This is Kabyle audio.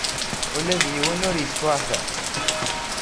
Ula d yiwen ur yettwaɛteq.